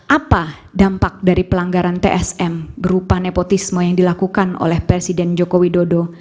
apa dampak dari pelanggaran tsm berupa nepotisme yang dilakukan oleh presiden joko widodo